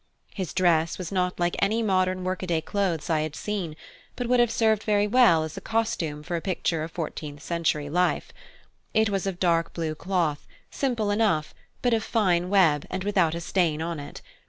His dress was not like any modern work a day clothes I had seen, but would have served very well as a costume for a picture of fourteenth century life: it was of dark blue cloth, simple enough, but of fine web, and without a stain on it.